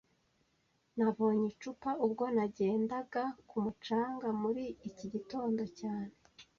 Nabonye icupa ubwo nagendaga ku mucanga muri iki gitondo cyane